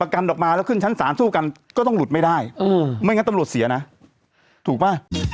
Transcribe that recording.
ประกาศออกมาแล้วขึ้นชั้นสามสู้กันก็ต้องหลุดไม่ได้อืม